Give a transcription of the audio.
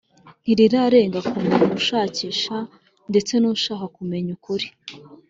Ntirirarenga ku muntu ushakisha ndetse n'ushaka kumenya ukuri.